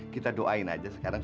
kita doain aja sekarang